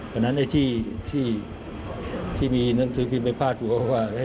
เพราะนั้นไอ้ที่ที่มีหนังสือบินไปพ่าจุ้นว่า